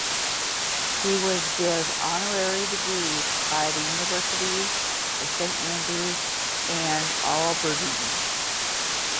He was give honorary degrees by the Universities of St Andrews and Aberdeen.